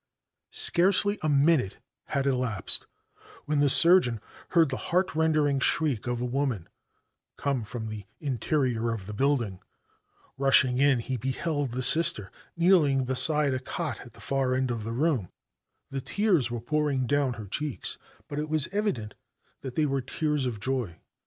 Scarcely a minute had elapsed when the surgeon heard the heartrending shriek of a woman come from the interior of the building. Rushing in he beheld the Sister kneeling beside a cot at the far end of the room. The tears were pouring down her cheeks, but it was evident that they were tears of joy.